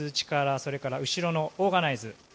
それから、後ろのオーガナイズ。